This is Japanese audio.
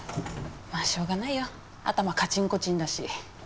まあしょうがないよ頭カチンコチンだし。